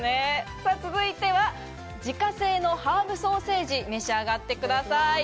自家製のハーブソーセージを召し上がってください。